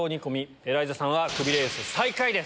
エライザさんはクビレース最下位です。